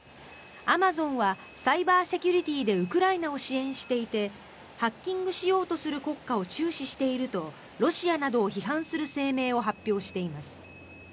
アマゾンはサイバーセキュリティーでウクライナを支援していてハッキングしようとする国家を注視しているとロシアなどを批判する声明を発表しています。